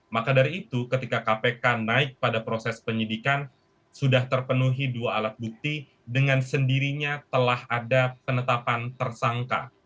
maka dari itu ketika kpk naik pada proses penyidikan sudah terpenuhi dua alat bukti dengan sendirinya telah ada penetapan tersangka